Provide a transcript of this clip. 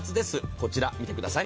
こちら、見てください。